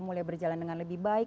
mulai berjalan dengan lebih baik